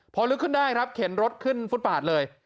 พอลึกขึ้นได้ครับเข็นรถขึ้นฟุตบาทเลย